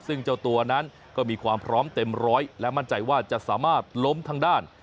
ซึ่งเจ้าตัวนั้นก็มีความพร้อมเต็มร้อยและมั่นใจว่าจะสามารถล้มทางด้าน